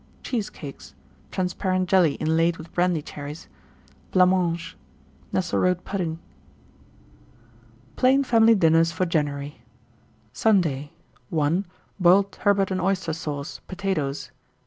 Cheesecakes. Transparent Jelly, inlaid with Brandy Cherries. Blancmange. Nesselrode Pudding. PLAIN FAMILY DINNERS FOR JANUARY. 1895. Sunday. 1, Boiled turbot and oyster sauce, potatoes.